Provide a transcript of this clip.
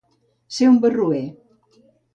Ser un barroer.